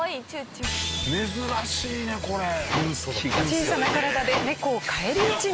小さな体で猫を返り討ちに。